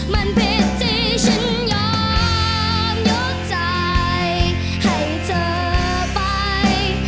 มันผิดที่ฉันยอมยกใจให้เธอไป